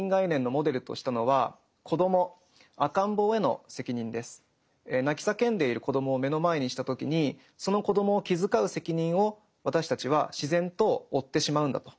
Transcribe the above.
彼がそうした泣き叫んでいる子どもを目の前にした時にその子どもを気遣う責任を私たちは自然と負ってしまうんだと。